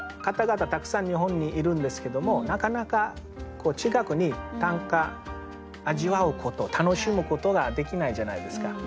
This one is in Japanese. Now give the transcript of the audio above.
たくさん日本にいるんですけどもなかなか近くに短歌味わうこと楽しむことができないじゃないですか。